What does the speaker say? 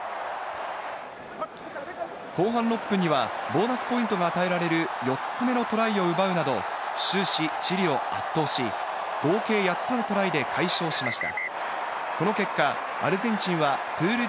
後半６分にはボーナスポイントが与えられる４つ目のトライを奪うなど、終始チリを圧倒し、合計８つのトライで快勝しました。